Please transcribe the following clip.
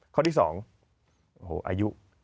ข้อที่สองโอ้โฮอายุ